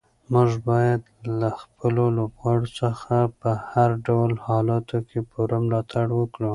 موږ باید له خپلو لوبغاړو څخه په هر ډول حالاتو کې پوره ملاتړ وکړو.